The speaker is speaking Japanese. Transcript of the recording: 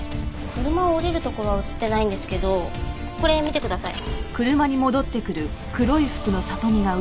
車を降りるところは映ってないんですけどこれ見てください。